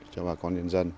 cho bà con nhân dân